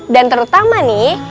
dan terutama nih